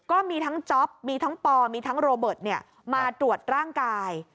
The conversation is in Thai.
ก็มีทั้งจ๊อปมีทั้งปอมีทั้งโรเบิร์ตมาตรวจร่างกาย